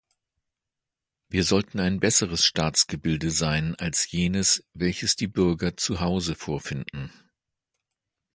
Wir sollten ein besseres Staatsgebilde sein als jenes, welches die Bürger zu Hause vorfinden.